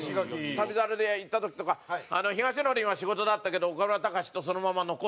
『旅猿』で行った時とかヒガシノリンは仕事だったけど岡村隆史とそのまま残って。